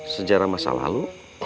sejarah masa lalu